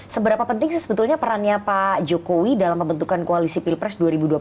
seberapa penting sih sebetulnya perannya pak jokowi dalam pembentukan koalisi pilpres dua ribu dua puluh